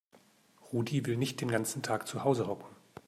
Rudi will nicht den ganzen Tag zu Hause hocken.